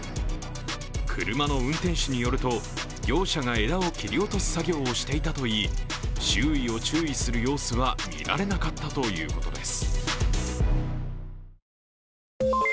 車の運転手によると業者が枝を切り落とす作業をしていたといい、周囲を注意する様子は見られなかったということです。